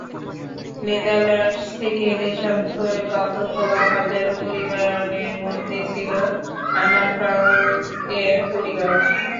Netherlands থেকে দেশান্তরে বাধ্য হওয়া হাজারো পরিবারের মধ্যে ছিল আনা ফ্রাঙ্কের পরিবারও।